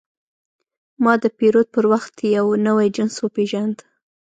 ما د پیرود پر وخت یو نوی جنس وپېژاند.